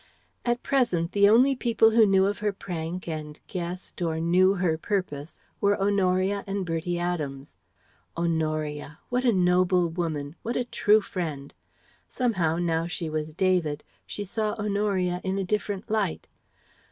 At present the only people who knew of her prank and guessed or knew her purpose were Honoria and Bertie Adams. Honoria! what a noble woman, what a true friend. Somehow, now she was David, she saw Honoria in a different light.